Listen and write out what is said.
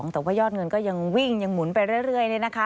แต่ว่ายอดเงินก็ยังวิ่งยังหมุนไปเรื่อย